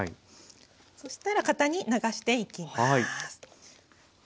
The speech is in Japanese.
そしたら型に流していきます。